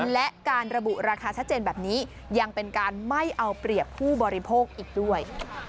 และการระบุราคาชัดเจนแบบนี้ยังเป็นการไม่เอาเปรียบผู้บริโภคอีกด้วย